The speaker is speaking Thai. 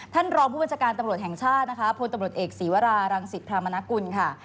ท่านรองผู้บัญชาการตำรวจแห่งชาตินะคะพลตำรวจเอกศีวรารังศิษรามนกุลค่ะ